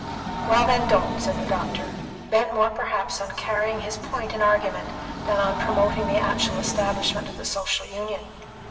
"Well, then, don't," said the doctor, bent more perhaps on carrying his point in argument than on promoting the actual establishment of the Social Union.